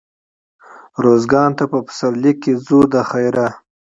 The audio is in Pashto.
روزګان ته په پسرلي کښي ځو دخيره.